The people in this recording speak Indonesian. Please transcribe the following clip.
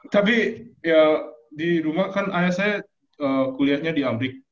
tapi ya di rumah kan ayah saya kuliahnya di ambrik